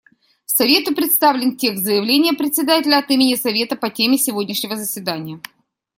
Совету представлен текст заявления Председателя от имени Совета по теме сегодняшнего заседания.